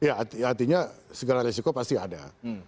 ya artinya segala resiko pasti ada